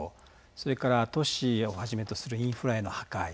それから、都市をはじめとするインフラへの破壊。